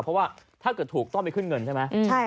เพราะว่าถ้าเกิดถูกต้องไปขึ้นเงินใช่ไหม